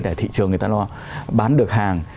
để thị trường người ta lo bán được hàng